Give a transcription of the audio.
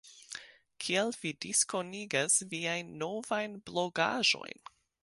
Kiel vi diskonigas viajn novajn blogaĵojn?